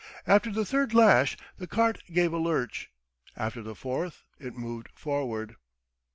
After the third lash the cart gave a lurch, after the fourth, it moved forward.